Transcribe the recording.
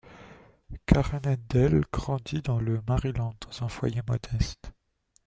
Karen Handel grandit dans le Maryland, dans un foyer modeste.